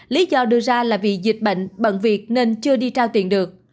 lý do đưa ra là vì dịch bệnh bận việc nên chưa đi trao tiền được